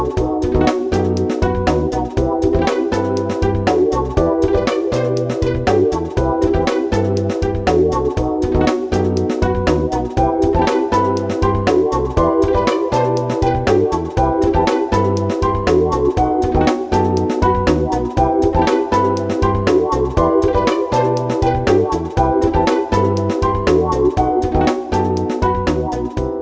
โปรดติดตามตอนต่อไป